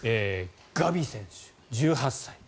ガビ選手、１８歳。